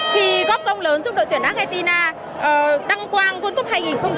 khi góp công lớn giúp đội tuyển argentina đăng quang world cup hai nghìn hai mươi hai